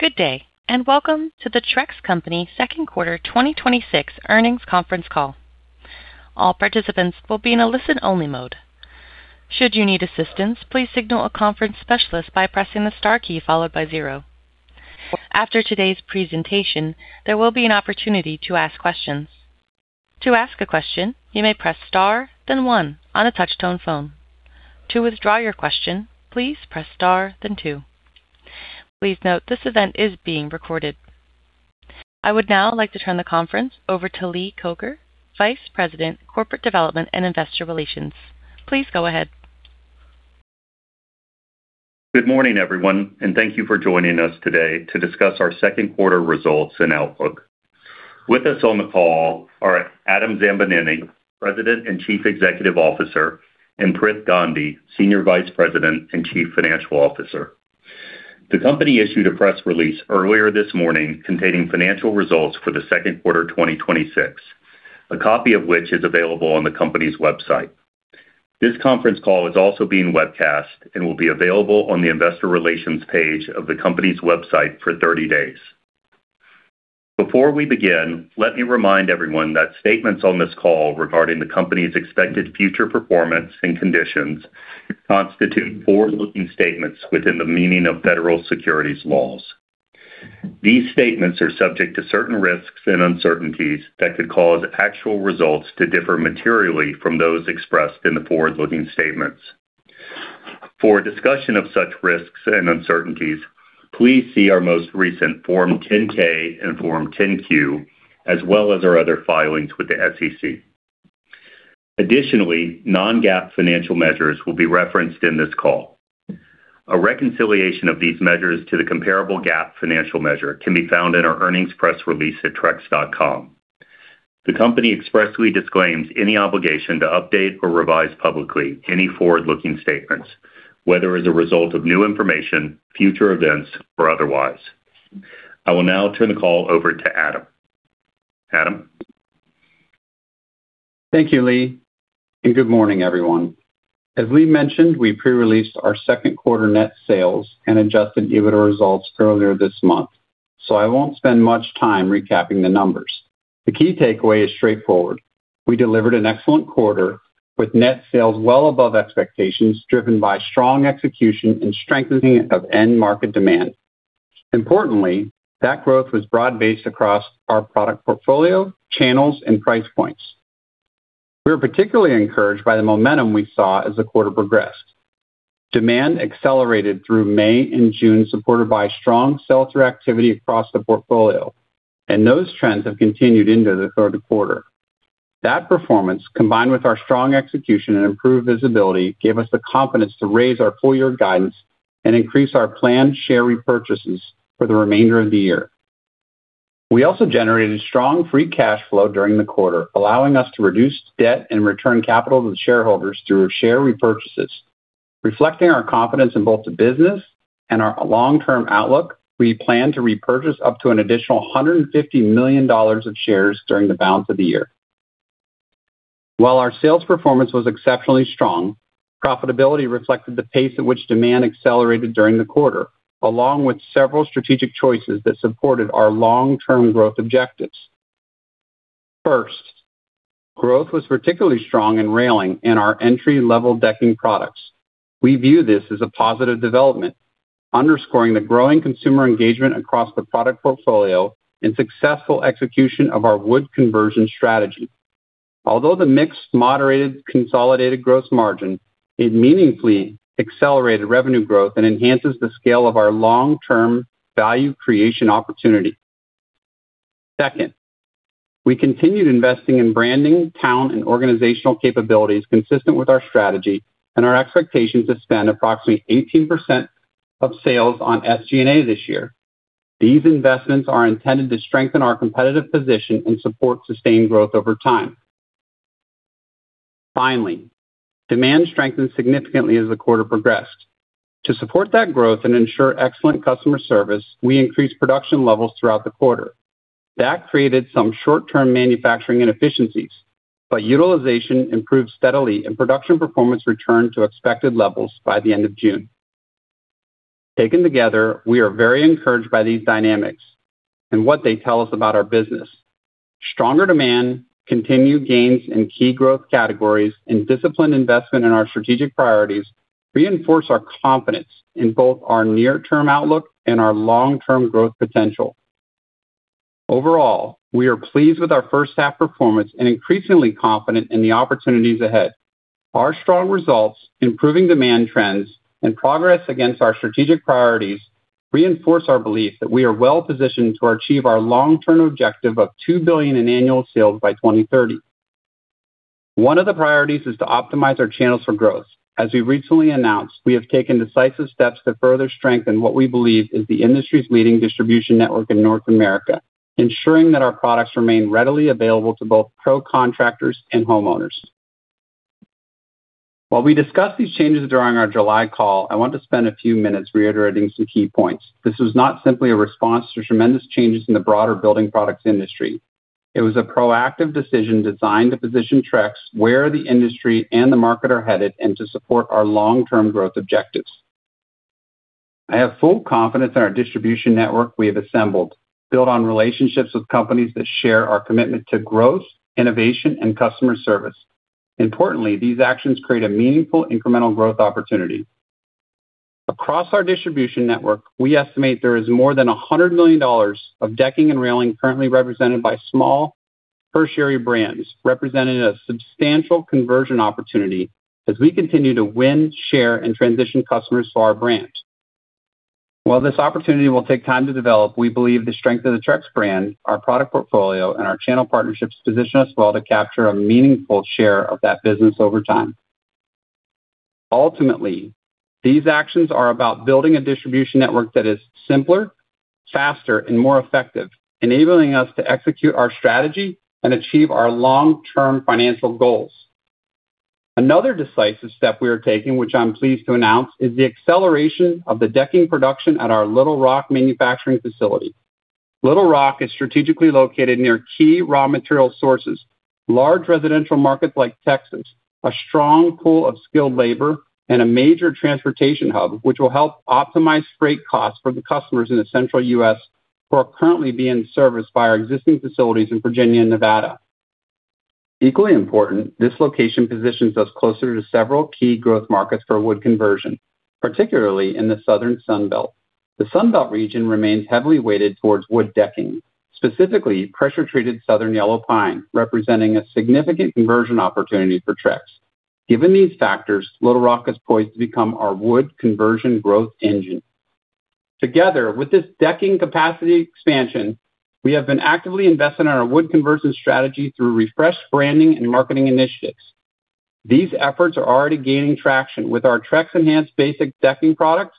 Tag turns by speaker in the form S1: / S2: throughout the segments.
S1: Good day, and welcome to Trex Company second quarter 2026 earnings conference call. All participants will be in a listen-only mode. Should you need assistance, please signal a conference specialist by pressing the star key followed by zero. After today's presentation, there will be an opportunity to ask questions. To ask a question, you may press star then one on a touch-tone phone. To withdraw your question, please press star then two. Please note this event is being recorded. I would now like to turn the conference over to Lee Coker, Vice President, Corporate Development and Investor Relations. Please go ahead.
S2: Good morning, everyone, and thank you for joining us today to discuss our second quarter results and outlook. With us on the call are Adam Zambanini, President and Chief Executive Officer, and Prithvi Gandhi, Senior Vice President and Chief Financial Officer. The company issued a press release earlier this morning containing financial results for the second quarter 2026, a copy of which is available on the company's website. This conference call is also being webcasted and will be available on the investor relations page of the company's website for 30 days. Before we begin, let me remind everyone that statements on this call regarding the company's expected future performance and conditions constitute forward-looking statements within the meaning of federal securities laws. These statements are subject to certain risks and uncertainties that could cause actual results to differ materially from those expressed in the forward-looking statements. For a discussion of such risks and uncertainties, please see our most recent Form 10-K and Form 10-Q, as well as our other filings with the SEC. Additionally, non-GAAP financial measures will be referenced in this call. A reconciliation of these measures to the comparable GAAP financial measure can be found in our earnings press release at trex.com. The company expressly disclaims any obligation to update or revise publicly any forward-looking statements, whether as a result of new information, future events, or otherwise. I will now turn the call over to Adam. Adam?
S3: Thank you, Lee, and good morning, everyone. As Lee mentioned, we pre-released our second quarter net sales and adjusted EBITDA results earlier this month, so I won't spend much time recapping the numbers. The key takeaway is straightforward. We delivered an excellent quarter with net sales well above expectations, driven by strong execution and strengthening of end market demand. Importantly, that growth was broad-based across our product portfolio, channels, and price points. We were particularly encouraged by the momentum we saw as the quarter progressed. Demand accelerated through May and June, supported by strong sell-through activity across the portfolio, and those trends have continued into the third quarter. That performance, combined with our strong execution and improved visibility, gave us the confidence to raise our full-year guidance and increase our planned share repurchases for the remainder of the year. We also generated strong free cash flow during the quarter, allowing us to reduce debt and return capital to the shareholders through share repurchases. Reflecting our confidence in both the business and our long-term outlook, we plan to repurchase up to an additional $150 million of shares during the balance of the year. While our sales performance was exceptionally strong, profitability reflected the pace at which demand accelerated during the quarter, along with several strategic choices that supported our long-term growth objectives. First, growth was particularly strong in railing in our entry-level decking products. We view this as a positive development, underscoring the growing consumer engagement across the product portfolio and successful execution of our wood conversion strategy. Although the mix moderated consolidated gross margin, it meaningfully accelerated revenue growth and enhances the scale of our long-term value creation opportunity. Second, we continued investing in branding, talent, and organizational capabilities consistent with our strategy and our expectation to spend approximately 18% of sales on SG&A this year. These investments are intended to strengthen our competitive position and support sustained growth over time. Finally, demand strengthened significantly as the quarter progressed. To support that growth and ensure excellent customer service, we increased production levels throughout the quarter. That created some short-term manufacturing inefficiencies, but utilization improved steadily and production performance returned to expected levels by the end of June. Taken together, we are very encouraged by these dynamics and what they tell us about our business. Stronger demand, continued gains in key growth categories, and disciplined investment in our strategic priorities reinforce our confidence in both our near-term outlook and our long-term growth potential. Overall, we are pleased with our first half performance and increasingly confident in the opportunities ahead. Our strong results, improving demand trends, and progress against our strategic priorities reinforce our belief that we are well-positioned to achieve our long-term objective of $2 billion in annual sales by 2030. One of the priorities is to optimize our channels for growth. As we recently announced, we have taken decisive steps to further strengthen what we believe is the industry's leading distribution network in North America, ensuring that our products remain readily available to both pro contractors and homeowners. While we discussed these changes during our July call, I want to spend a few minutes reiterating some key points. This was not simply a response to tremendous changes in the broader building products industry. It was a proactive decision designed to position Trex where the industry and the market are headed, and to support our long-term growth objectives. I have full confidence in our distribution network we have assembled, built on relationships with companies that share our commitment to growth, innovation, and customer service. Importantly, these actions create a meaningful incremental growth opportunity. Across our distribution network, we estimate there is more than $100 million of decking and railing currently represented by small tertiary brands, representing a substantial conversion opportunity as we continue to win, share, and transition customers to our brand. While this opportunity will take time to develop, we believe the strength of the Trex brand, our product portfolio, and our channel partnerships position us well to capture a meaningful share of that business over time. Ultimately, these actions are about building a distribution network that is simpler, faster, and more effective, enabling us to execute our strategy and achieve our long-term financial goals. Another decisive step we are taking, which I'm pleased to announce, is the acceleration of the decking production at our Little Rock manufacturing facility. Little Rock is strategically located near key raw material sources, large residential markets like Texas, a strong pool of skilled labor, and a major transportation hub, which will help optimize freight costs for the customers in the central U.S. who are currently being serviced by our existing facilities in Virginia and Nevada. Equally important, this location positions us closer to several key growth markets for wood conversion, particularly in the Southern Sun Belt. The Sun Belt region remains heavily weighted towards wood decking, specifically pressure-treated Southern Yellow Pine, representing a significant conversion opportunity for Trex. Given these factors, Little Rock is poised to become our wood conversion growth engine. Together with this decking capacity expansion, we have been actively investing in our wood conversion strategy through refreshed branding and marketing initiatives. These efforts are already gaining traction with our Trex Enhance Basics decking products,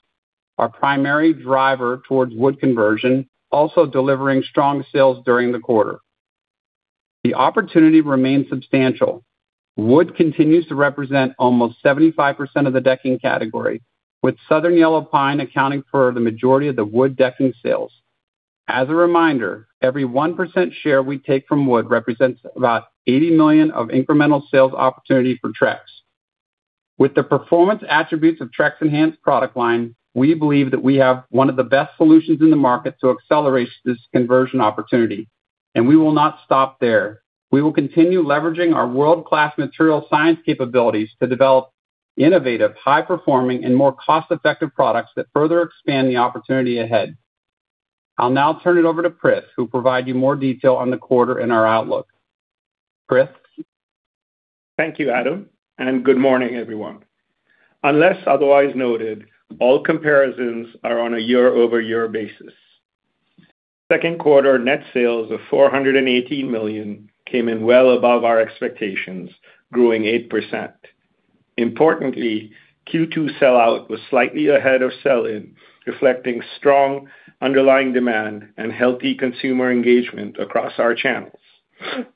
S3: our primary driver towards wood conversion, also delivering strong sales during the quarter. The opportunity remains substantial. Wood continues to represent almost 75% of the decking category, with Southern Yellow Pine accounting for the majority of the wood decking sales. As a reminder, every 1% share we take from wood represents about $80 million of incremental sales opportunity for Trex. With the performance attributes of Trex Enhance product line, we believe that we have one of the best solutions in the market to accelerate this conversion opportunity, and we will not stop there. We will continue leveraging our world-class material science capabilities to develop innovative, high-performing, and more cost-effective products that further expand the opportunity ahead. I'll now turn it over to Prith, who'll provide you more detail on the quarter and our outlook. Prith?
S4: Thank you, Adam, and good morning, everyone. Unless otherwise noted, all comparisons are on a year-over-year basis. Second quarter net sales of $418 million came in well above our expectations, growing 8%. Importantly, Q2 sellout was slightly ahead of sell-in, reflecting strong underlying demand and healthy consumer engagement across our channels.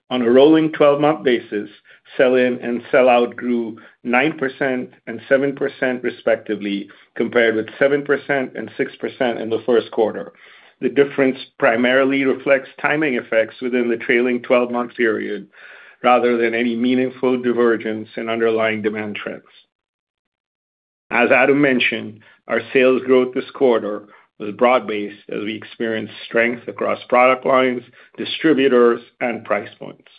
S4: On a rolling 12-month basis, sell-in and sell-out grew 9% and 7% respectively, compared with 7% and 6% in the first quarter. The difference primarily reflects timing effects within the trailing 12-month period rather than any meaningful divergence in underlying demand trends. As Adam mentioned, our sales growth this quarter was broad-based as we experienced strength across product lines, distributors, and price points.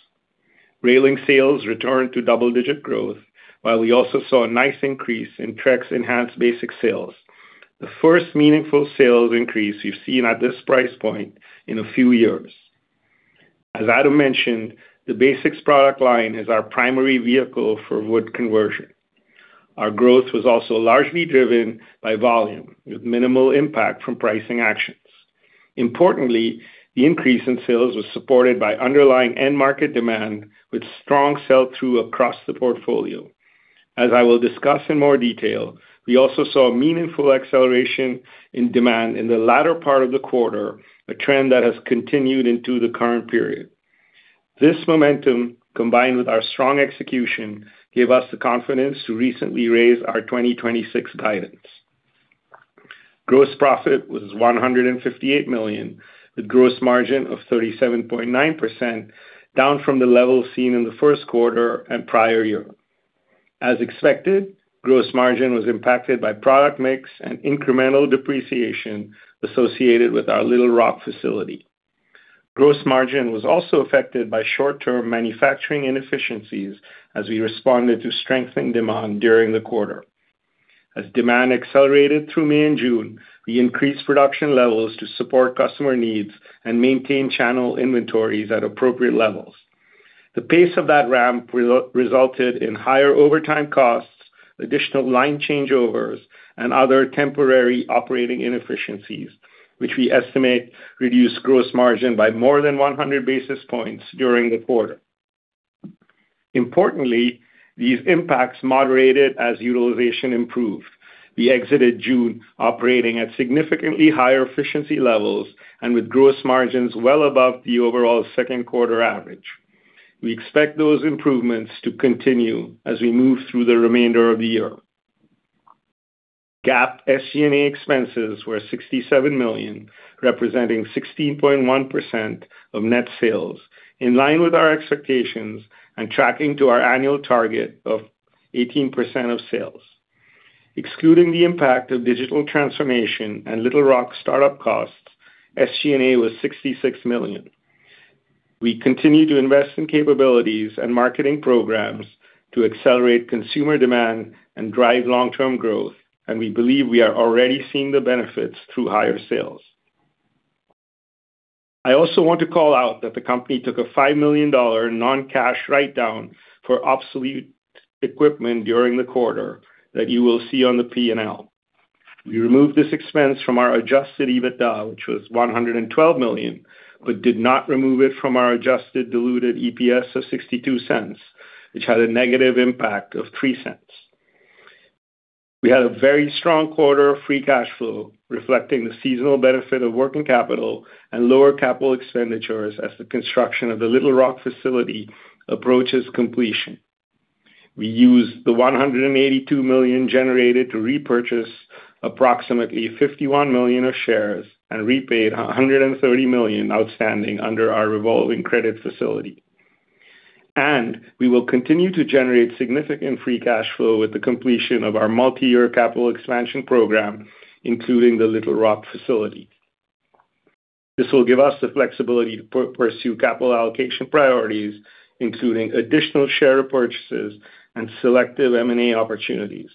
S4: Railing sales returned to double-digit growth, while we also saw a nice increase in Trex Enhance Basics sales. The first meaningful sales increase you've seen at this price point in a few years. As Adam mentioned, the basics product line is our primary vehicle for wood conversion. Our growth was also largely driven by volume, with minimal impact from pricing actions. Importantly, the increase in sales was supported by underlying end market demand with strong sell-through across the portfolio. As I will discuss in more detail, we also saw a meaningful acceleration in demand in the latter part of the quarter, a trend that has continued into the current period. This momentum, combined with our strong execution, gave us the confidence to recently raise our 2026 guidance. Gross profit was $158 million, with gross margin of 37.9%, down from the level seen in the first quarter and prior year. As expected, gross margin was impacted by product mix and incremental depreciation associated with our Little Rock facility. Gross margin was also affected by short-term manufacturing inefficiencies as we responded to strengthened demand during the quarter. As demand accelerated through May and June, we increased production levels to support customer needs and maintain channel inventories at appropriate levels. The pace of that ramp resulted in higher overtime costs, additional line changeovers, and other temporary operating inefficiencies, which we estimate reduced gross margin by more than 100 basis points during the quarter. Importantly, these impacts moderated as utilization improved. We exited June operating at significantly higher efficiency levels and with gross margins well above the overall second quarter average. We expect those improvements to continue as we move through the remainder of the year. GAAP SG&A expenses were $67 million, representing 16.1% of net sales, in line with our expectations and tracking to our annual target of 18% of sales. Excluding the impact of digital transformation and Little Rock startup costs, SG&A was $66 million. We continue to invest in capabilities and marketing programs to accelerate consumer demand and drive long-term growth, and we believe we are already seeing the benefits through higher sales. I also want to call out that the company took a $5 million non-cash write-down for obsolete equipment during the quarter that you will see on the P&L. We removed this expense from our adjusted EBITDA, which was $112 million, but did not remove it from our adjusted diluted EPS of $0.62, which had a negative impact of $0.03. We had a very strong quarter of free cash flow reflecting the seasonal benefit of working capital and lower capital expenditures as the construction of the Little Rock facility approaches completion. We used the $182 million generated to repurchase approximately $51 million of shares and repaid $130 million outstanding under our revolving credit facility. We will continue to generate significant free cash flow with the completion of our multi-year capital expansion program, including the Little Rock facility. This will give us the flexibility to pursue capital allocation priorities, including additional share purchases and selective M&A opportunities.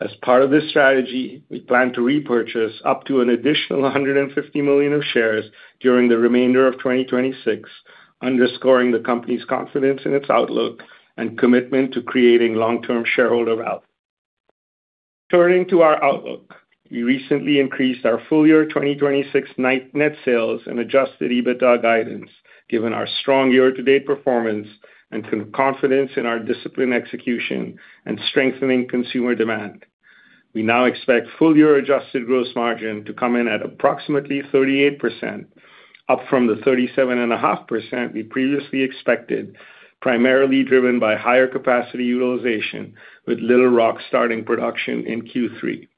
S4: As part of this strategy, we plan to repurchase up to an additional $150 million of shares during the remainder of 2026, underscoring the company's confidence in its outlook and commitment to creating long-term shareholder value. Turning to our outlook. We recently increased our full-year 2026 net sales and adjusted EBITDA guidance, given our strong year-to-date performance and confidence in our disciplined execution and strengthening consumer demand. We now expect full-year adjusted gross margin to come in at approximately 38%, up from the 37.5% we previously expected, primarily driven by higher capacity utilization with Little Rock starting production in Q3.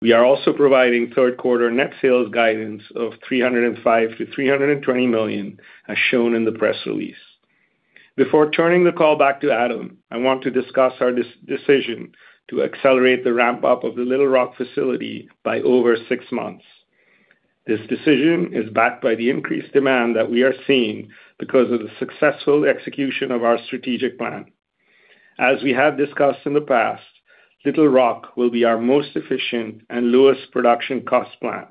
S4: We are also providing third quarter net sales guidance of $305 million-$320 million as shown in the press release. Before turning the call back to Adam, I want to discuss our decision to accelerate the ramp-up of the Little Rock facility by over six months. This decision is backed by the increased demand that we are seeing because of the successful execution of our strategic plan. As we have discussed in the past, Little Rock will be our most efficient and lowest production cost plant.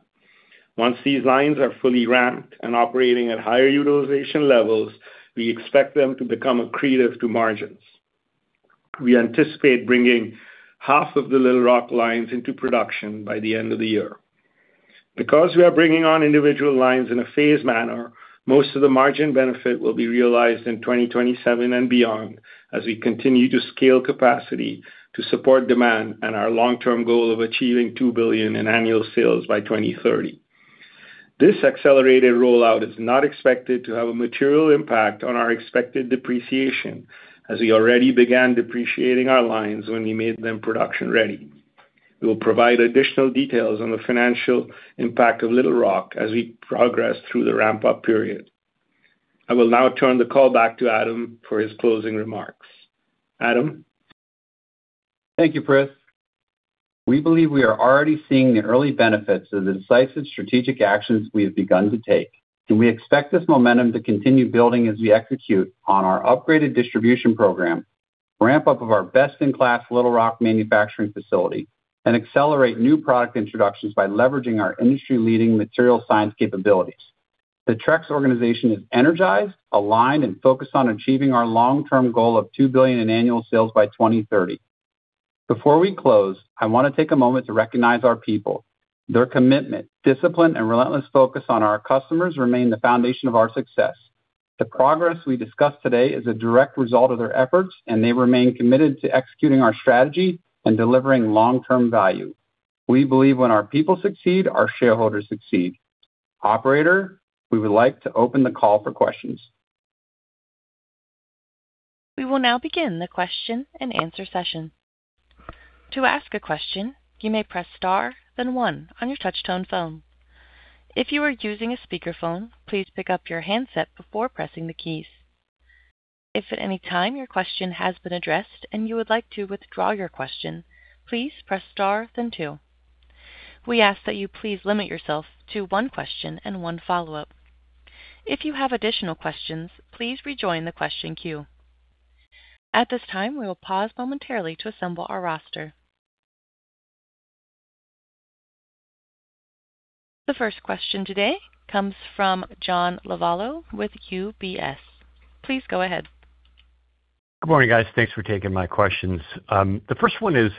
S4: Once these lines are fully ramped and operating at higher utilization levels, we expect them to become accretive to margins. We anticipate bringing half of the Little Rock lines into production by the end of the year. We are bringing on individual lines in a phased manner, most of the margin benefit will be realized in 2027 and beyond as we continue to scale capacity to support demand and our long-term goal of achieving $2 billion in annual sales by 2030. This accelerated rollout is not expected to have a material impact on our expected depreciation, as we already began depreciating our lines when we made them production ready. We will provide additional details on the financial impact of Little Rock as we progress through the ramp-up period. I will now turn the call back to Adam for his closing remarks. Adam?
S3: Thank you, Prith. We believe we are already seeing the early benefits of the incisive strategic actions we have begun to take. We expect this momentum to continue building as we execute on our upgraded distribution program, ramp up of our best-in-class Little Rock manufacturing facility, and accelerate new product introductions by leveraging our industry-leading material science capabilities. The Trex organization is energized, aligned, and focused on achieving our long-term goal of $2 billion in annual sales by 2030. Before we close, I want to take a moment to recognize our people. Their commitment, discipline, and relentless focus on our customers remain the foundation of our success. The progress we discussed today is a direct result of their efforts, and they remain committed to executing our strategy and delivering long-term value. We believe when our people succeed, our shareholders succeed. Operator, we would like to open the call for questions.
S1: We will now begin the question-and-answer session. To ask a question, you may press star, then one on your touch-tone phone. If you are using a speakerphone, please pick up your handset before pressing the keys. If at any time your question has been addressed and you would like to withdraw your question, please press star then two. We ask that you please limit yourself to one question and one follow-up. If you have additional questions, please rejoin the question queue. At this time, we will pause momentarily to assemble our roster. The first question today comes from John Lovallo with UBS. Please go ahead.
S5: Good morning, guys. Thanks for taking my questions. The first one is,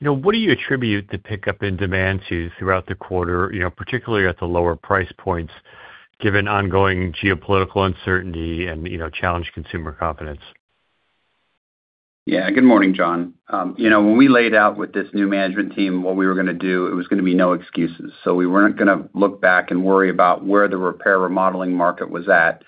S5: what do you attribute the pickup in demand to throughout the quarter, particularly at the lower price points, given ongoing geopolitical uncertainty and challenged consumer confidence?
S3: Yeah. Good morning, John. When we laid out with this new management team what we were going to do, it was going to be no excuses. We weren't going to look back and worry about where the repair remodeling market was at.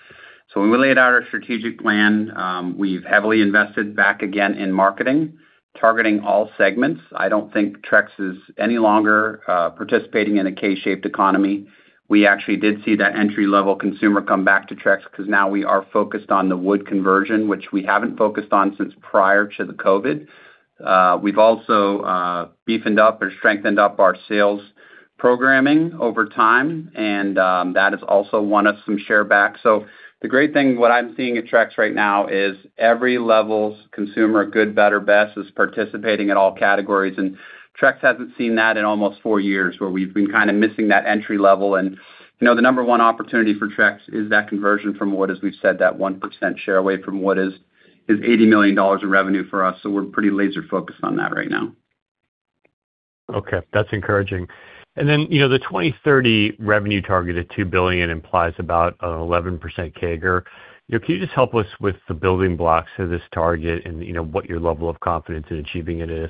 S3: When we laid out our strategic plan, we've heavily invested back again in marketing, targeting all segments. I don't think Trex is any longer participating in a K-shaped economy. We actually did see that entry-level consumer come back to Trex because now we are focused on the wood conversion, which we haven't focused on since prior to the COVID. We've also beefed up or strengthened up our sales programming over time, and that has also won us some share back. The great thing, what I'm seeing at Trex right now is every level's consumer, good, better, best, is participating at all categories, and Trex hasn't seen that in almost four years, where we've been kind of missing that entry level. The number one opportunity for Trex is that conversion from wood, as we've said, that 1% share away from wood is $80 million in revenue for us. We're pretty laser-focused on that right now.
S5: Okay, that's encouraging. The 2030 revenue target of $2 billion implies about an 11% CAGR. Can you just help us with the building blocks of this target and what your level of confidence in achieving it is?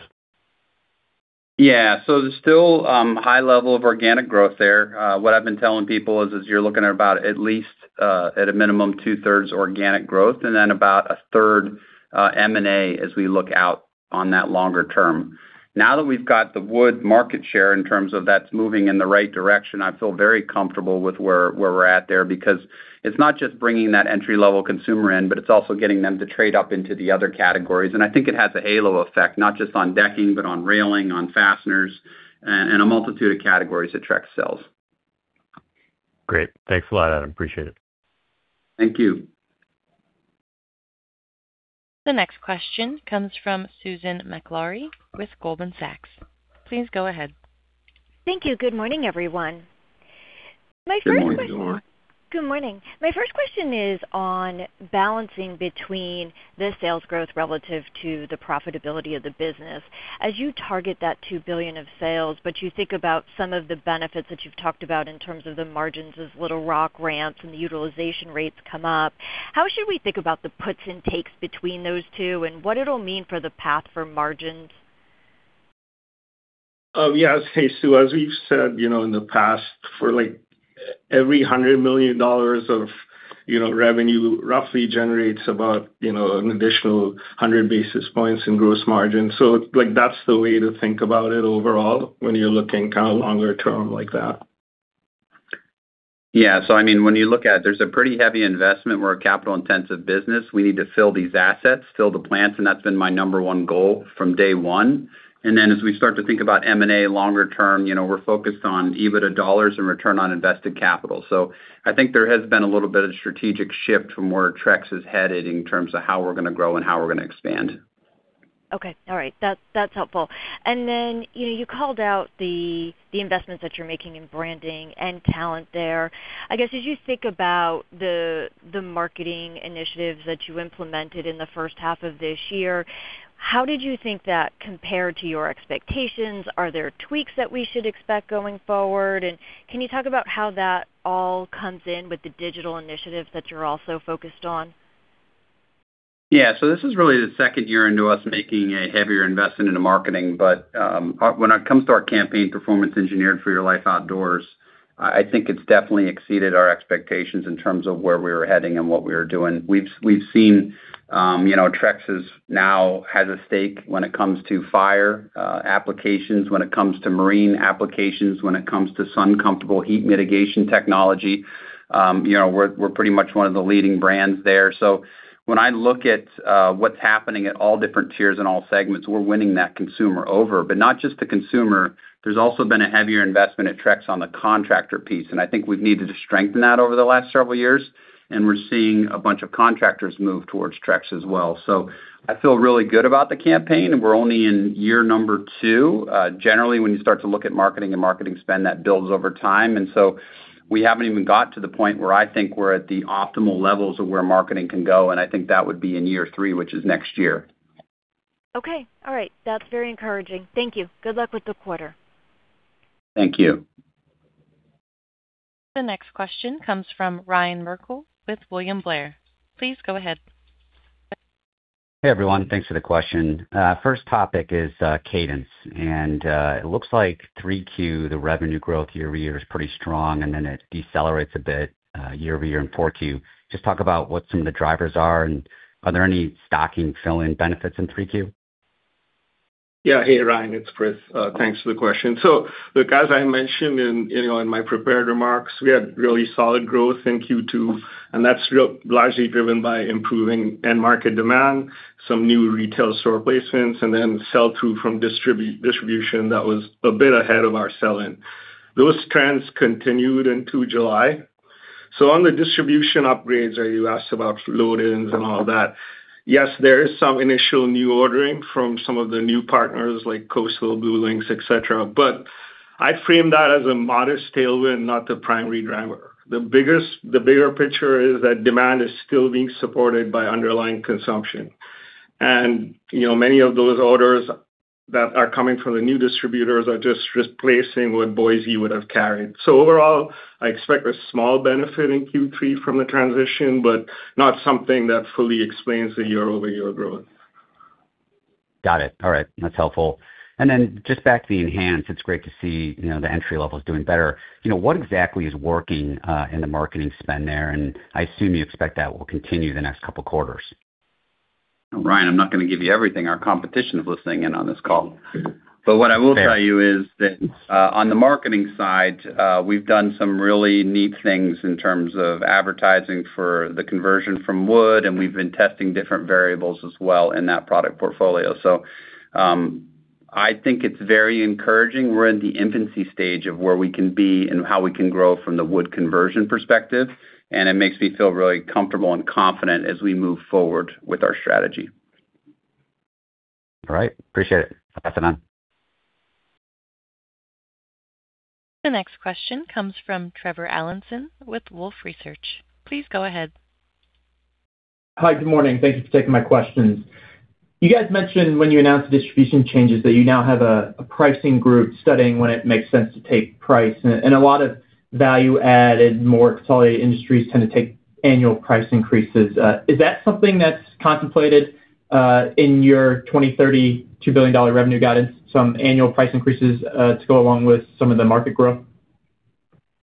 S3: Yeah, there's still high level of organic growth there. What I've been telling people is you're looking at about at least, a minimum 2/3 organic growth and then about 1/3 M&A as we look out on that longer term. Now that we've got the wood market share in terms of that's moving in the right direction, I feel very comfortable with where we're at there, because it's not just bringing that entry-level consumer in, but it's also getting them to trade up into the other categories. I think it has a halo effect, not just on decking, but on railing, on fasteners, and a multitude of categories that Trex sells.
S5: Great. Thanks a lot, Adam. Appreciate it.
S3: Thank you.
S1: The next question comes from Susan Maklari with Goldman Sachs. Please go ahead.
S6: Thank you. Good morning, everyone.
S3: Good morning, Susan.
S6: Good morning. My first question is on balancing between the sales growth relative to the profitability of the business. As you target that $2 billion of sales, but you think about some of the benefits that you've talked about in terms of the margins as Little Rock ramps and the utilization rates come up, how should we think about the puts and takes between those two, and what it'll mean for the path for margins?
S4: Hey, Sue. As we've said in the past, for every $100 million of revenue roughly generates about an additional 100 basis points in gross margin. That's the way to think about it overall when you're looking longer term like that.
S3: When you look at it, there's a pretty heavy investment. We're a capital-intensive business. We need to fill these assets, fill the plants, and that's been my number one goal from day one. As we start to think about M&A longer term, we're focused on EBITDA dollars and return on invested capital. I think there has been a little bit of strategic shift from where Trex is headed in terms of how we're going to grow and how we're going to expand.
S6: Okay. All right. That's helpful. You called out the investments that you're making in branding and talent there. I guess as you think about the marketing initiatives that you implemented in the first half of this year, how did you think that compared to your expectations? Are there tweaks that we should expect going forward? Can you talk about how that all comes in with the digital initiatives that you're also focused on?
S3: This is really the second year into us making a heavier investment into marketing. When it comes to our campaign, Performance-Engineered for Your Life Outdoors, I think it's definitely exceeded our expectations in terms of where we were heading and what we were doing. We've seen Trex now has a stake when it comes to fire applications, when it comes to marine applications, when it comes to sun-comfortable heat mitigation technology. We're pretty much one of the leading brands there. When I look at what's happening at all different tiers and all segments, we're winning that consumer over. Not just the consumer, there's also been a heavier investment at Trex on the contractor piece, I think we've needed to strengthen that over the last several years, and we're seeing a bunch of contractors move towards Trex as well. I feel really good about the campaign, and we're only in year number two. Generally, when you start to look at marketing and marketing spend, that builds over time. We haven't even got to the point where I think we're at the optimal levels of where marketing can go, and I think that would be in year three, which is next year.
S6: Okay. All right. That's very encouraging. Thank you. Good luck with the quarter.
S3: Thank you.
S1: The next question comes from Ryan Merkel with William Blair. Please go ahead.
S7: Hey, everyone. Thanks for the question. First topic is cadence. It looks like 3Q, the revenue growth year-over-year is pretty strong, and then it decelerates a bit year-over-year in 4Q. Just talk about what some of the drivers are, and are there any stocking fill-in benefits in 3Q?
S8: Ryan, it's Chris. Thanks for the question. As I mentioned in my prepared remarks, we had really solid growth in Q2, and that's largely driven by improving end market demand, some new retail store placements, and then sell-through from distribution that was a bit ahead of our sell-in. Those trends continued into July. On the distribution upgrades that you asked about, load-ins and all that, yes, there is some initial new ordering from some of the new partners like Coastal, BlueLinx, etc, but I frame that as a modest tailwind, not the primary driver. The bigger picture is that demand is still being supported by underlying consumption. Many of those orders that are coming from the new distributors are just replacing what Boise would have carried. Overall, I expect a small benefit in Q3 from the transition, not something that fully explains the year-over-year growth.
S7: Got it. All right. That's helpful. Just back to the Enhance, it's great to see the entry-level is doing better. What exactly is working in the marketing spend there? I assume you expect that will continue the next couple of quarters.
S3: Ryan, I'm not going to give you everything. Our competition is listening in on this call. What I will tell you is that on the marketing side, we've done some really neat things in terms of advertising for the conversion from wood, we've been testing different variables as well in that product portfolio. I think it's very encouraging. We're in the infancy stage of where we can be and how we can grow from the wood conversion perspective, it makes me feel really comfortable and confident as we move forward with our strategy.
S7: All right, appreciate it. Have a good one.
S1: The next question comes from Trevor Allinson with Wolfe Research. Please go ahead.
S9: Hi. Good morning, thank you for taking my questions. You guys mentioned when you announced the distribution changes that you now have a pricing group studying when it makes sense to take price, a lot of value-added, more accelerated industries tend to take annual price increases. Is that something that's contemplated in your 2030, $2 billion revenue guidance, some annual price increases to go along with some of the market growth?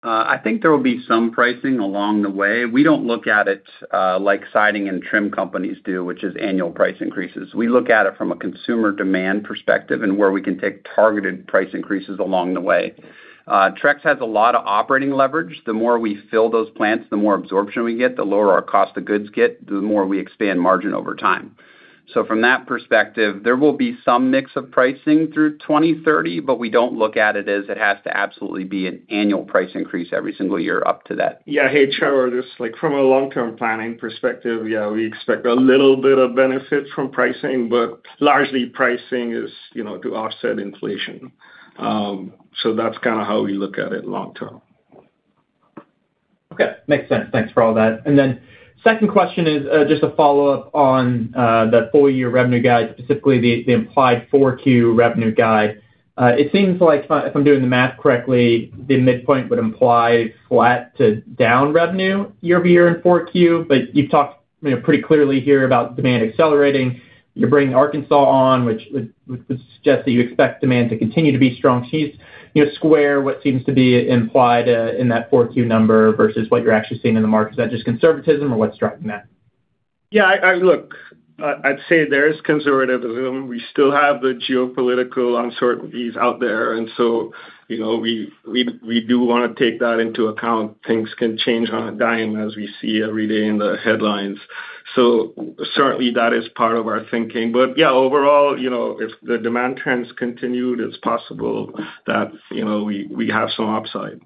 S3: I think there will be some pricing along the way. We don't look at it like siding and trim companies do, which is annual price increases. We look at it from a consumer demand perspective and where we can take targeted price increases along the way. Trex has a lot of operating leverage. The more we fill those plants, the more absorption we get, the lower our cost of goods get, the more we expand margin over time. From that perspective, there will be some mix of pricing through 2030, but we don't look at it as it has to absolutely be an annual price increase every single year up to that.
S4: Yeah. Hey, Trevor. Just from a long-term planning perspective, yeah, we expect a little bit of benefit from pricing, largely pricing is to offset inflation. That's kind of how we look at it long term.
S9: Okay. Makes sense. Thanks for all that. Second question is just a follow-up on the full-year revenue guide, specifically the implied 4Q revenue guide. It seems like if I'm doing the math correctly, the midpoint would imply flat to down revenue year-over-year in 4Q. You've talked pretty clearly here about demand accelerating. You're bringing Arkansas on, which would suggest that you expect demand to continue to be strong. Can you square what seems to be implied in that 4Q number versus what you're actually seeing in the market? Is that just conservatism or what's driving that?
S4: Yeah. Look, I'd say there is conservatism. We still have the geopolitical uncertainties out there, we do want to take that into account. Things can change on a dime, as we see every day in the headlines. Certainly that is part of our thinking. Yeah, overall, if the demand trends continued, it's possible that we have some upside.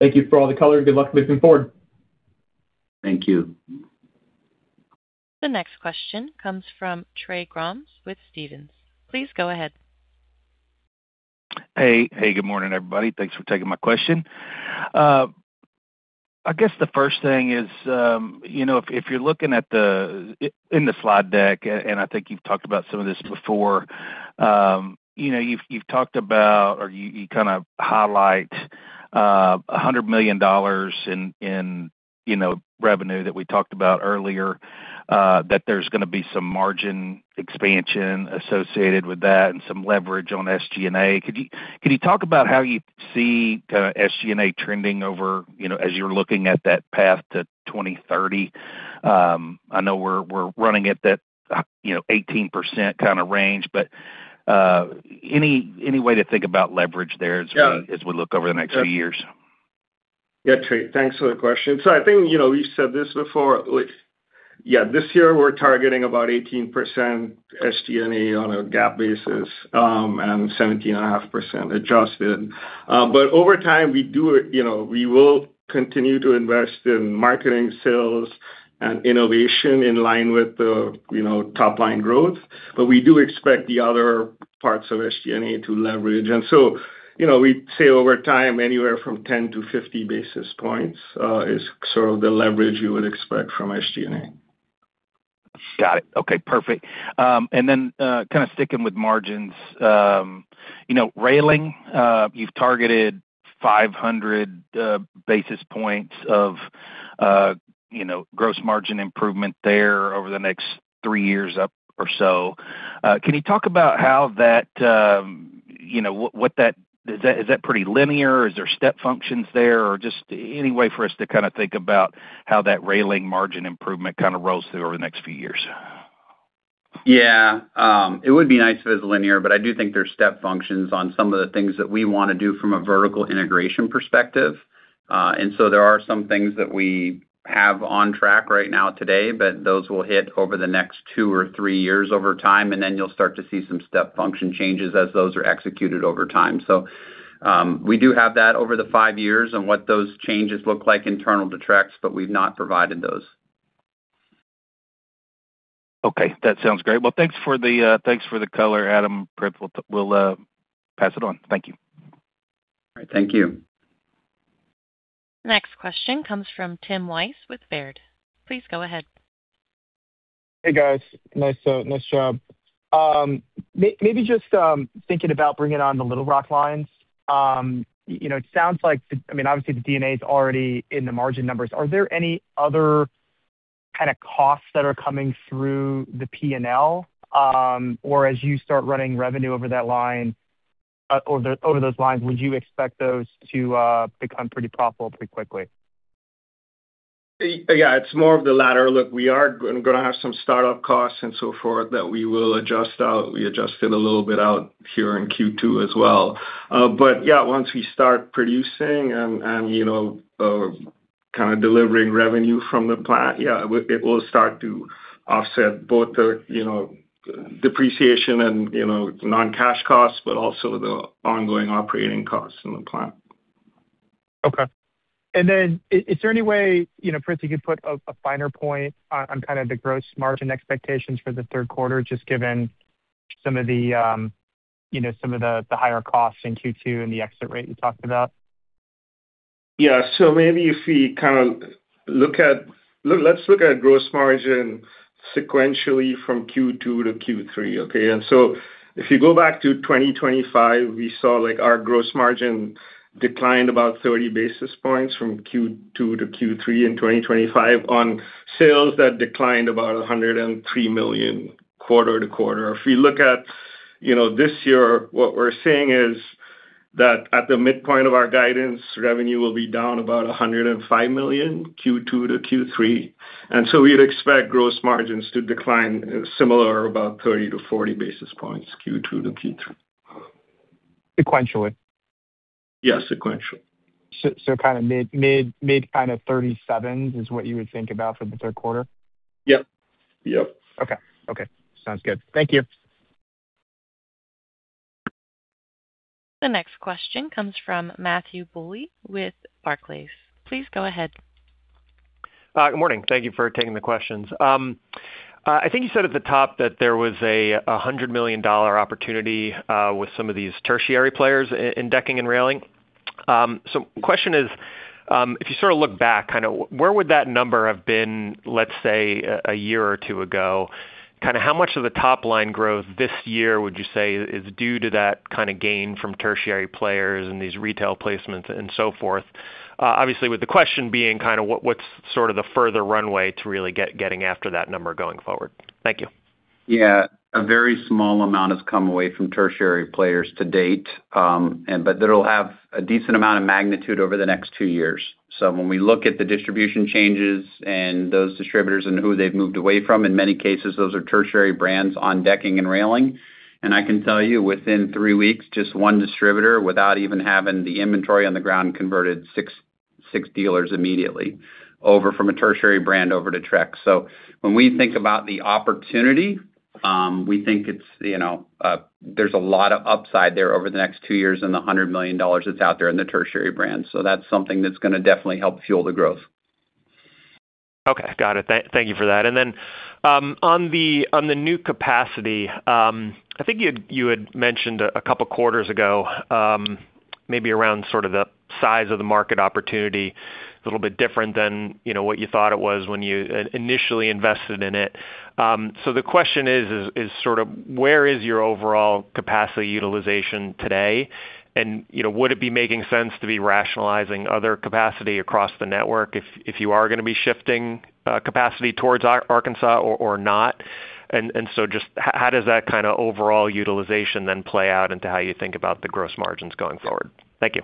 S9: Thank you for all the color. Good luck moving forward.
S3: Thank you.
S1: The next question comes from Trey Grooms with Stephens. Please go ahead.
S10: Good morning, everybody. Thanks for taking my question. I guess the first thing is, if you're looking in the slide deck, and I think you've talked about some of this before, you've talked about or you kind of highlight $100 million in revenue that we talked about earlier, that there's going to be some margin expansion associated with that and some leverage on SG&A. Could you talk about how you see SG&A trending as you're looking at that path to 2030? I know we're running at that 18% kind of range, but any way to think about leverage there as we look over the next few years?
S4: Yeah, Trey, thanks for the question. I think we've said this before. Yeah, this year we're targeting about 18% SG&A on a GAAP basis and 17.5% adjusted. Over time we will continue to invest in marketing, sales, and innovation in line with the top-line growth. We do expect the other parts of SG&A to leverage. We say over time, anywhere from 10-50 basis points is sort of the leverage you would expect from SG&A.
S10: Got it. Okay, perfect. Kind of sticking with margins. Railing, you've targeted 500 basis points of gross margin improvement there over the next three years or so. Can you talk about is that pretty linear? Is there step functions there? Or just any way for us to kind of think about how that railing margin improvement kind of rolls through over the next few years?
S3: Yeah. It would be nice if it was linear, but I do think there's step functions on some of the things that we want to do from a vertical integration perspective. There are some things that we have on track right now today, but those will hit over the next two or three years over time, and then you'll start to see some step function changes as those are executed over time. We do have that over the five years and what those changes look like internal to Trex, but we've not provided those.
S10: Okay, that sounds great. Well, thanks for the color, Adam, Prith. We'll pass it on. Thank you.
S3: All right. Thank you.
S1: Next question comes from Tim Wojs with Baird. Please go ahead.
S11: Hey, guys. Nice job. Just thinking about bringing on the Little Rock lines. Obviously, the D&A is already in the margin numbers. Are there any other kind of costs that are coming through the P&L? As you start running revenue over those lines, would you expect those to become pretty profitable pretty quickly?
S4: Yeah, it's more of the latter. Look, we are going to have some startup costs and so forth that we will adjust out. We adjusted a little bit out here in Q2 as well. Yeah, once we start producing and kind of delivering revenue from the plant, yeah, it will start to offset both the depreciation and non-cash costs, but also the ongoing operating costs in the plant.
S11: Okay. Is there any way, Prith, you could put a finer point on kind of the gross margin expectations for the third quarter, just given some of the higher costs in Q2 and the exit rate you talked about?
S4: Yeah. Let's look at gross margin sequentially from Q2 to Q3. Okay? If you go back to 2025, we saw our gross margin decline about 30 basis points from Q2 to Q3 in 2025 on sales that declined about $103 million quarter-to-quarter. If we look at this year, what we're seeing is that at the midpoint of our guidance, revenue will be down about $105 million Q2 to Q3, we'd expect gross margins to decline similar, about 30-40 basis points, Q2 to Q3.
S11: Sequentially?
S4: Yeah, sequentially.
S11: Kind of mid-37 basis points is what you would think about for the third quarter?
S4: Yep.
S11: Okay. Sounds good. Thank you.
S1: The next question comes from Matthew Bouley with Barclays. Please go ahead.
S12: Good morning. Thank you for taking the questions. I think you said at the top that there was a $100 million opportunity with some of these tertiary players in decking and railing. Question is, if you sort of look back kind of, where would that number have been, let's say, a year or two ago? How much of the top-line growth this year would you say is due to that kind of gain from tertiary players and these retail placements and so forth? Obviously, with the question being kind of what's sort of the further runway to really getting after that number going forward? Thank you.
S3: Yeah, a very small amount has come away from tertiary players to date. It'll have a decent amount of magnitude over the next two years. When we look at the distribution changes and those distributors and who they've moved away from, in many cases, those are tertiary brands on decking and railing. I can tell you, within three weeks, just one distributor, without even having the inventory on the ground, converted six dealers immediately over from a tertiary brand over to Trex. When we think about the opportunity, we think there's a lot of upside there over the next two years in the $100 million that's out there in the tertiary brand. That's something that's going to definitely help fuel the growth.
S12: Okay. Got it. Thank you for that. Then, on the new capacity, I think you had mentioned a couple of quarters ago, maybe around sort of the size of the market opportunity, a little bit different than what you thought it was when you initially invested in it. The question is sort of where is your overall capacity utilization today, and would it be making sense to be rationalizing other capacity across the network if you are going to be shifting capacity towards Arkansas or not? Just how does that kind of overall utilization then play out into how you think about the gross margins going forward? Thank you.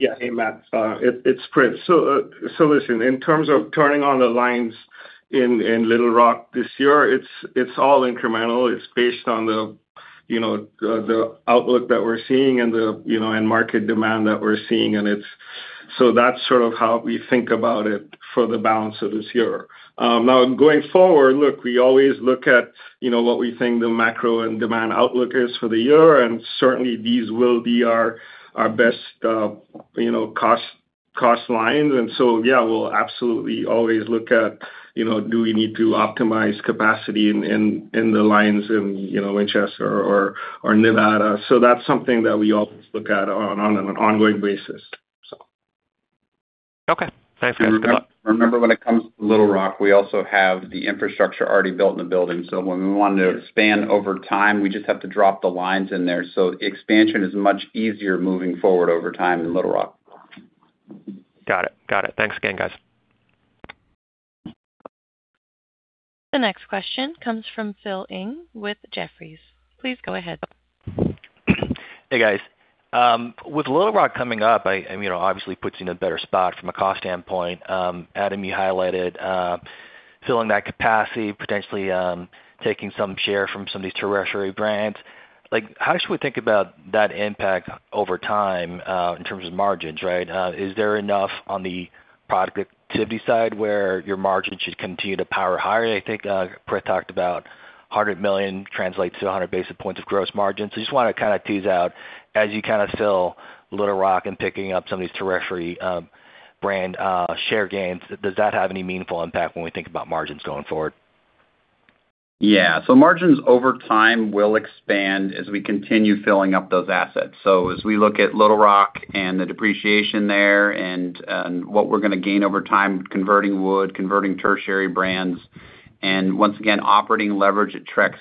S4: Yeah. Hey, Matt. It's Prith. Listen, in terms of turning on the lines in Little Rock this year, it's all incremental. It's based on the outlook that we're seeing and market demand that we're seeing. That's sort of how we think about it for the balance of this year. Now, going forward, look, we always look at what we think the macro and demand outlook is for the year, and certainly these will be our best cost lines. Yeah, we'll absolutely always look at do we need to optimize capacity in the lines in Winchester or Nevada. That's something that we always look at on an ongoing basis.
S12: Okay. Thanks, guys. Good luck.
S3: Remember, when it comes to Little Rock, we also have the infrastructure already built in the building. When we want to expand over time, we just have to drop the lines in there. Expansion is much easier moving forward over time in Little Rock.
S12: Got it. Thanks again, guys.
S1: The next question comes from Phil Ng with Jefferies. Please go ahead.
S13: Hey, guys. With Little Rock coming up, obviously puts you in a better spot from a cost standpoint. Adam, you highlighted filling that capacity, potentially taking some share from some of these tertiary brands. How should we think about that impact over time in terms of margins, right? Is there enough on the productivity side where your margin should continue to power higher? I think Prith talked about $100 million translates to 100 basis points of gross margin. I just want to kind of tease out as you kind of fill Little Rock and picking up some of these tertiary brand share gains, does that have any meaningful impact when we think about margins going forward?
S3: Yeah, margins over time will expand as we continue filling up those assets. As we look at Little Rock and the depreciation there and what we're going to gain over time converting wood, converting tertiary brands. Once again, operating leverage at Trex,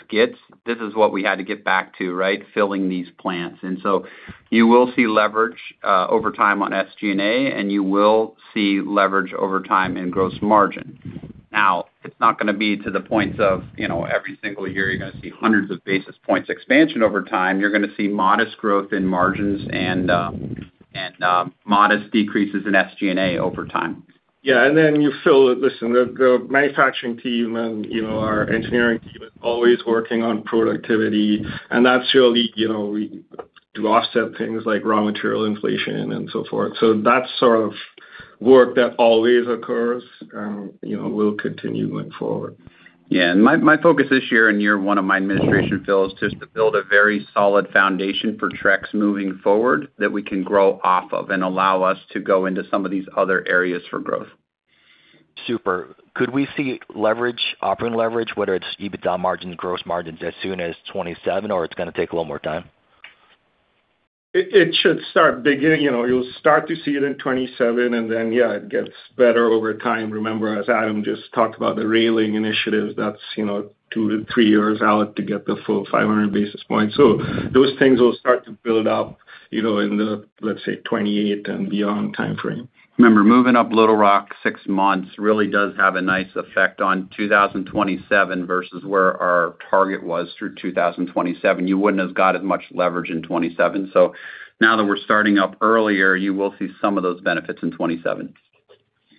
S3: this is what we had to get back to, right? Filling these plants. You will see leverage over time on SG&A, and you will see leverage over time in gross margin. It's not going to be to the points of every single year, you're going to see hundreds of basis points expansion over time. You're going to see modest growth in margins and modest decreases in SG&A over time.
S4: Yeah, and Phil, listen. The manufacturing team and our engineering team is always working on productivity, and that's really to offset things like raw material inflation and so forth. That's sort of work that always occurs, and will continue going forward.
S3: Yeah. My focus this year, in year one of my administration, Phil, is just to build a very solid foundation for Trex moving forward that we can grow off of and allow us to go into some of these other areas for growth.
S13: Super. Could we see leverage, operating leverage, whether it's EBITDA margins, gross margins, as soon as 2027, or it's going to take a little more time?
S4: It should start beginning. You'll start to see it in 2027, then, yeah, it gets better over time. Remember, as Adam just talked about, the railing initiatives, that's two to three years out to get the full 500 basis points. Those things will start to build up in the, let's say, 2028 and beyond timeframe.
S3: Remember, moving up Little Rock six months really does have a nice effect on 2027 versus where our target was through 2027. You wouldn't have got as much leverage in 2027. Now that we're starting up earlier, you will see some of those benefits in 2027.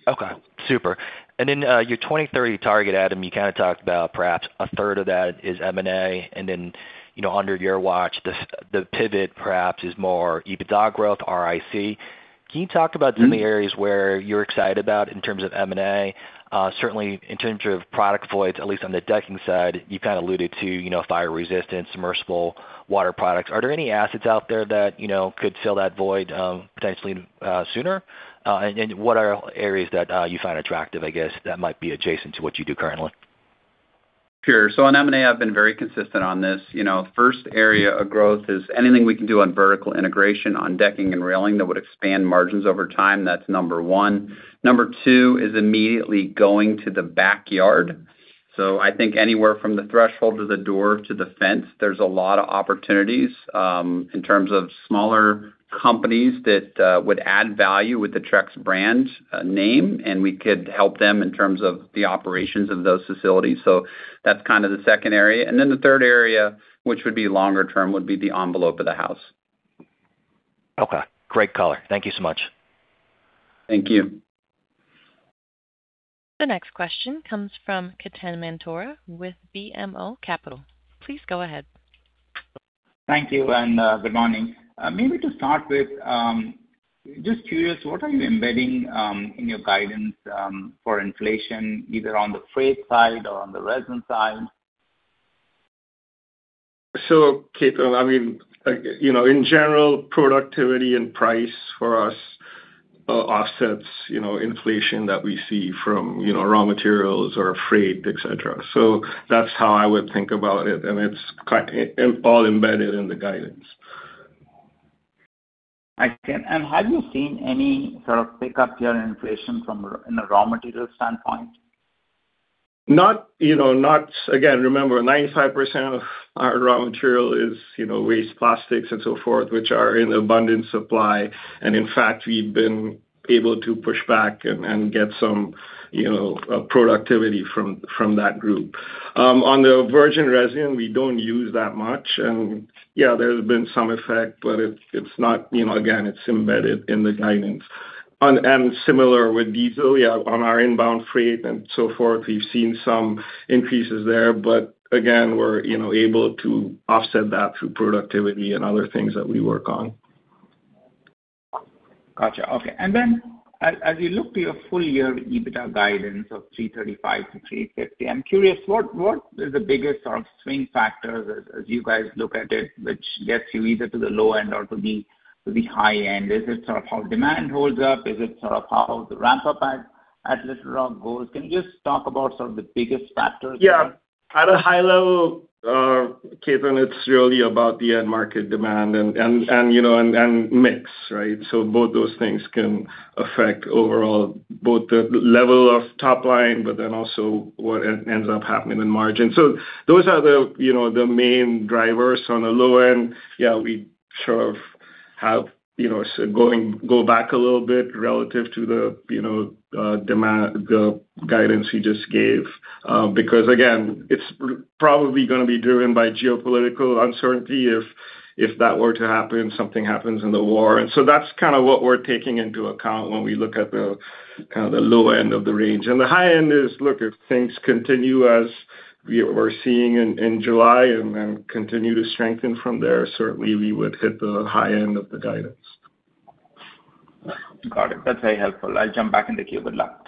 S13: Okay, super. Your 2030 target, Adam, you kind of talked about perhaps 1/3 of that is M&A, under your watch, the pivot perhaps is more EBITDA growth, ROIC. Can you talk about some of the areas where you're excited about in terms of M&A? Certainly in terms of product voids, at least on the decking side, you've kind of alluded to fire-resistant, submersible water products. Are there any assets out there that could fill that void potentially sooner? What are areas that you find attractive, I guess, that might be adjacent to what you do currently?
S3: Sure. On M&A, I've been very consistent on this. First area of growth is anything we can do on vertical integration on decking and railing that would expand margins over time. That's number one. Number two is immediately going to the backyard. I think anywhere from the threshold to the door to the fence, there's a lot of opportunities, in terms of smaller companies that would add value with the Trex brand name, and we could help them in terms of the operations of those facilities. That's kind of the second area. The third area, which would be longer term, would be the envelope of the house.
S13: Okay. Great color. Thank you so much.
S4: Thank you.
S1: The next question comes from Ketan Mamtora with BMO Capital. Please go ahead.
S14: Thank you, and good morning. Just curious, what are you embedding in your guidance for inflation, either on the freight side or on the resin side?
S4: Ketan, in general, productivity and price for us offsets inflation that we see from raw materials or freight, etc. That's how I would think about it, and it's all embedded in the guidance.
S14: I see. Have you seen any sort of pickup here in inflation from a raw material standpoint?
S4: Remember, 95% of our raw material is waste plastics and so forth, which are in abundant supply. In fact, we've been able to push back and get some productivity from that group. On the virgin resin, we don't use that much. Yeah, there's been some effect, but again, it's embedded in the guidance. Similar with diesel, yeah, on our inbound freight and so forth, we've seen some increases there, but again, we're able to offset that through productivity and other things that we work on.
S14: Got you. Okay. As you look to your full-year EBITDA guidance of $335 million-$350 million, I'm curious, what is the biggest sort of swing factor as you guys look at it, which gets you either to the low end or to the high end? Is it sort of how demand holds up? Is it sort of how the ramp-up at Little Rock goes? Can you just talk about some of the biggest factors?
S4: Yeah. At a high level, Ketan, it's really about the end market demand and mix, right? Both those things can affect overall both the level of top line, but then also what ends up happening in margin. Those are the main drivers. On the low end, yeah, we sort of have go back a little bit relative to the guidance we just gave. Again, it's probably going to be driven by geopolitical uncertainty if that were to happen, something happens in the war. That's kind of what we're taking into account when we look at the low end of the range. The high end is, look, if things continue as we're seeing in July and continue to strengthen from there, certainly we would hit the high end of the guidance.
S14: Got it. That's very helpful. I'll jump back in the queue. Good luck.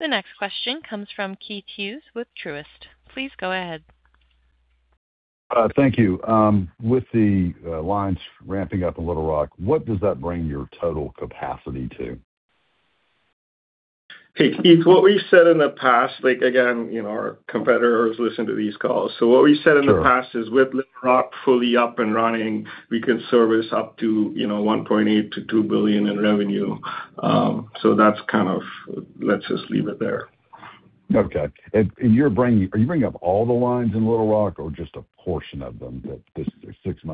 S1: The next question comes from Keith Hughes with Truist. Please go ahead.
S15: Thank you. With the lines ramping up in Little Rock, what does that bring your total capacity to?
S4: Hey, Keith, what we've said in the past, again, our competitors listen to these calls.
S15: Sure.
S4: What we said in the past is with Little Rock fully up and running, we can service up to $1.8 billion-$2 billion in revenue. Let's just leave it there.
S15: Okay. Are you bringing up all the lines in Little Rock or just a portion of them?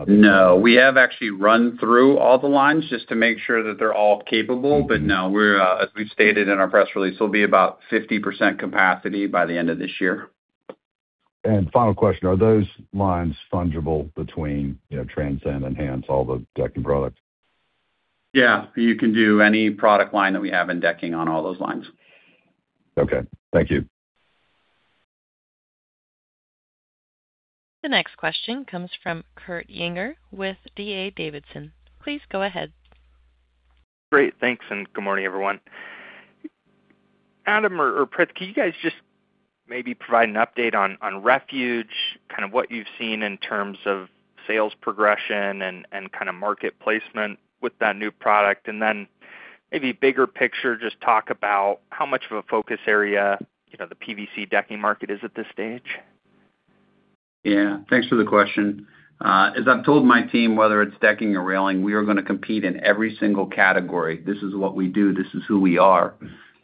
S3: No, we have actually run through all the lines just to make sure that they're all capable. Now, as we've stated in our press release, it'll be about 50% capacity by the end of this year.
S15: Final question, are those lines fungible between Transcend, Enhance, all the decking products?
S3: Yeah. You can do any product line that we have in decking on all those lines.
S15: Okay. Thank you.
S1: The next question comes from Kurt Yinger with D.A. Davidson. Please go ahead.
S16: Great. Thanks, and good morning, everyone. Adam or Prith, can you guys just maybe provide an update on Refuge, kind of what you've seen in terms of sales progression and kind of market placement with that new product? Then maybe bigger picture, just talk about how much of a focus area the PVC decking market is at this stage.
S3: Yeah. Thanks for the question. As I've told my team, whether it's decking or railing, we are going to compete in every single category. This is what we do. This is who we are.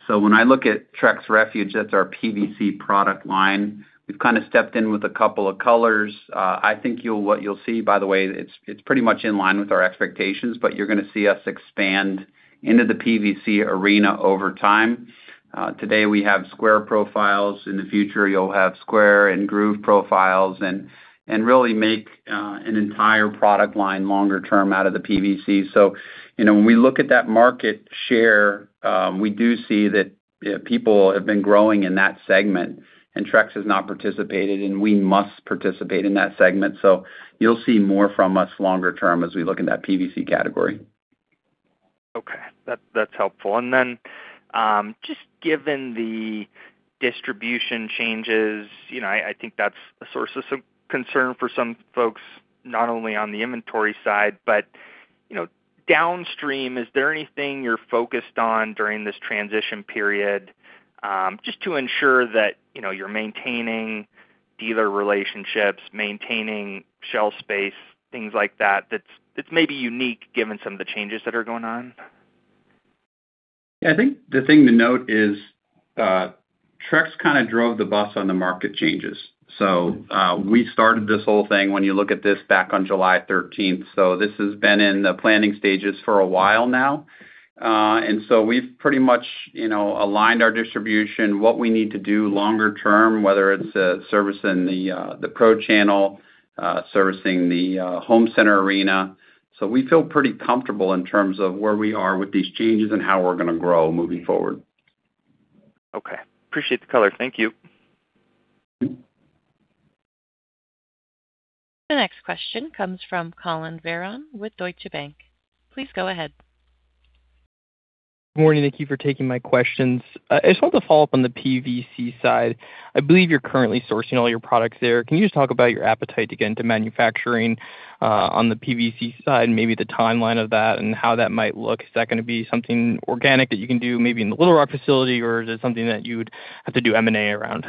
S3: When I look at Trex Refuge, that's our PVC product line. We've kind of stepped in with a couple of colors. I think what you'll see, by the way, it's pretty much in line with our expectations, but you're going to see us expand into the PVC arena over time. Today, we have square profiles. In the future, you'll have square and groove profiles, and really make an entire product line longer term out of the PVC. When we look at that market share, we do see that people have been growing in that segment, and Trex has not participated, and we must participate in that segment. You'll see more from us longer term as we look in that PVC category.
S16: Okay, that's helpful. Just given the distribution changes, I think that's a source of some concern for some folks, not only on the inventory side. Downstream, is there anything you're focused on during this transition period? Just to ensure that you're maintaining dealer relationships, maintaining shelf space, things like that's maybe unique given some of the changes that are going on.
S3: I think the thing to note is Trex kind of drove the bus on the market changes. We started this whole thing when you look at this back on July 13th. This has been in the planning stages for a while now. We've pretty much aligned our distribution, what we need to do longer term, whether it's servicing the pro channel, servicing the home center arena. We feel pretty comfortable in terms of where we are with these changes and how we're going to grow moving forward.
S16: Okay. Appreciate the color. Thank you.
S1: The next question comes from Collin Verron with Deutsche Bank. Please go ahead.
S17: Morning, thank you for taking my questions. I just wanted to follow up on the PVC side. I believe you're currently sourcing all your products there. Can you just talk about your appetite to get into manufacturing on the PVC side, and maybe the timeline of that and how that might look? Is that going to be something organic that you can do maybe in the Little Rock facility, or is it something that you would have to do M&A around?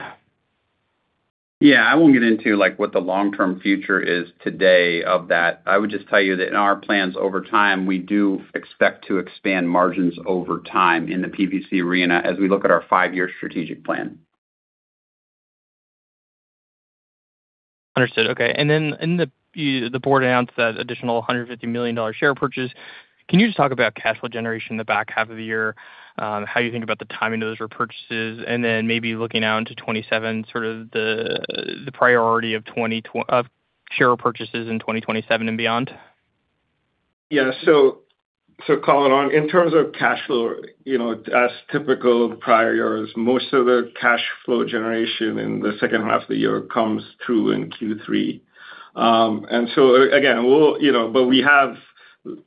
S3: Yeah. I won't get into what the long-term future is today of that. I would just tell you that in our plans over time, we do expect to expand margins over time in the PVC arena as we look at our five-year strategic plan.
S17: Understood. Okay. The board announced that additional $150 million share purchase. Can you just talk about cash flow generation in the back half of the year? How you think about the timing of those repurchases, and then maybe looking out into 2027, sort of the priority of share purchases in 2027 and beyond?
S4: Yeah. Collin, in terms of cash flow, as typical of prior years, most of the cash flow generation in the second half of the year comes through in Q3. Again, we have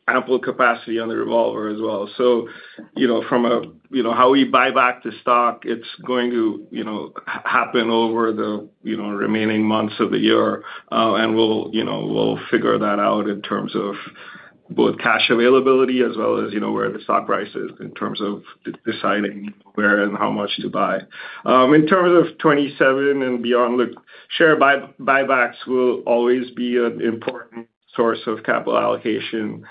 S4: ample capacity on the revolver as well. From how we buy back the stock, it's going to happen over the remaining months of the year. We'll figure that out in terms of both cash availability as well as where the stock price is in terms of deciding where and how much to buy. In terms of 2027 and beyond, look, share buybacks will always be an important source of capital allocation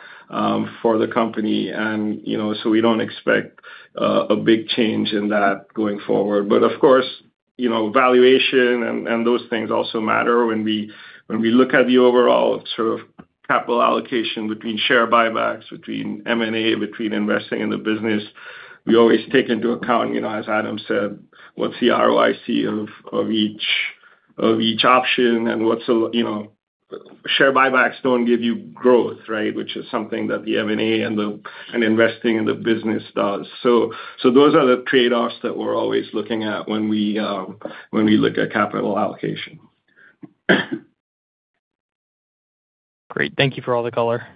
S4: for the company. We don't expect a big change in that going forward. Of course, valuation and those things also matter when we look at the overall sort of capital allocation between share buybacks, between M&A, between investing in the business. We always take into account, as Adam said, what's the ROIC of each option. Share buybacks don't give you growth, right? Which is something that the M&A and investing in the business does. Those are the trade-offs that we're always looking at when we look at capital allocation.
S17: Great. Thank you for all the color.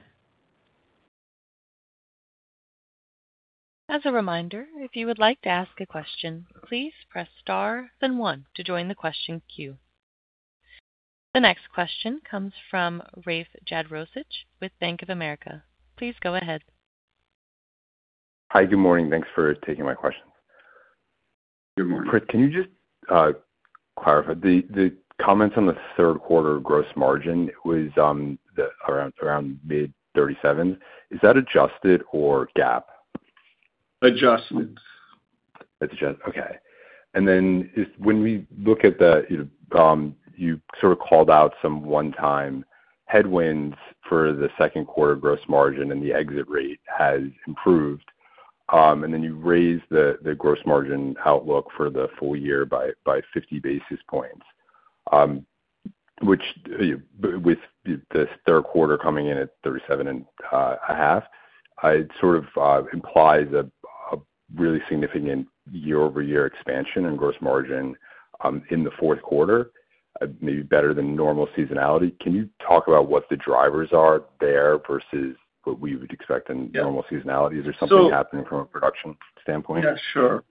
S1: As a reminder, if you would like to ask a question, please press star then one to join the question queue. The next question comes from Rafe Jadrosich with Bank of America. Please go ahead.
S18: Hi, good morning. Thanks for taking my questions.
S3: Good morning.
S18: Prith, can you just clarify the comments on the third quarter gross margin was around mid 37%. Is that adjusted or GAAP?
S4: Adjusted.
S18: Adjusted, okay. When we look at, you sort of called out some one-time headwinds for the second quarter gross margin and the exit rate has improved. You raised the gross margin outlook for the full-year by 50 basis points, which with the third quarter coming in at 37.5%, it sort of implies a really significant year-over-year expansion in gross margin in the fourth quarter, maybe better than normal seasonality. Can you talk about what the drivers are there versus what we would expect in normal seasonality? Is there something happening from a production standpoint?
S4: Yeah, sure.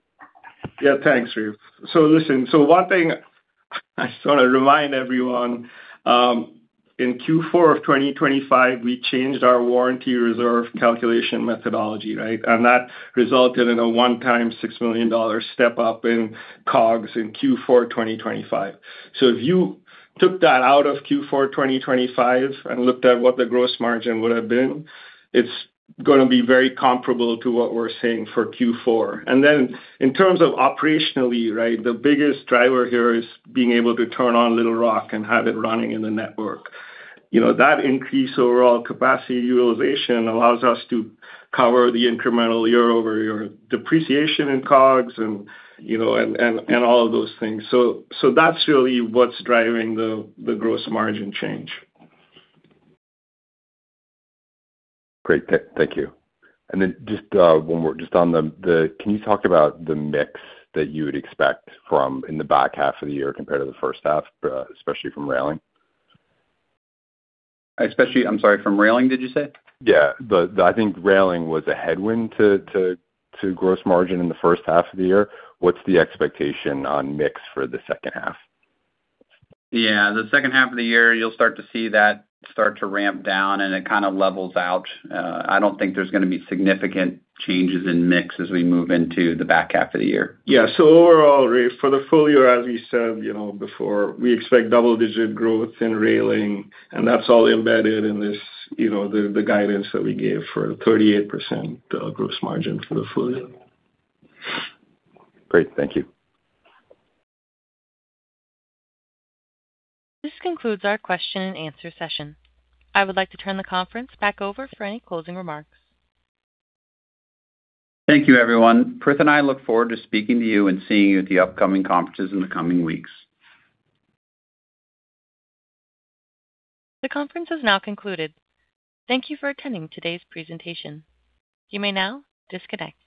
S4: Yeah, thanks, Rafe. One thing I just want to remind everyone, in Q4 of 2025, we changed our warranty reserve calculation methodology, right? That resulted in a one-time $6 million step-up in COGS in Q4 2025. If you took that out of Q4 2025 and looked at what the gross margin would have been, it's going to be very comparable to what we're seeing for Q4. In terms of operationally, right, the biggest driver here is being able to turn on Little Rock and have it running in the network. That increase overall capacity utilization allows us to cover the incremental year-over-year depreciation in COGS and all of those things. That's really what's driving the gross margin change.
S18: Great. Thank you. Just one more, can you talk about the mix that you would expect from in the back half of the year compared to the first half, especially from railing?
S3: Especially, I'm sorry, from railing, did you say?
S18: I think railing was a headwind to gross margin in the first half of the year. What's the expectation on mix for the second half?
S3: The second half of the year, you'll start to see that start to ramp down and it kind of levels out. I don't think there's going to be significant changes in mix as we move into the back half of the year.
S4: Overall, Rafe, for the full-year, as we said before, we expect double-digit growth in railing, and that's all embedded in the guidance that we gave for a 38% gross margin for the full-year.
S18: Great. Thank you.
S1: This concludes our question-and-answer session. I would like to turn the conference back over for any closing remarks.
S3: Thank you everyone. Prith and I look forward to speaking to you and seeing you at the upcoming conferences in the coming weeks.
S1: The conference has now concluded. Thank you for attending today's presentation. You may now disconnect.